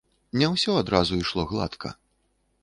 Не ўсё адразу ішло гладка.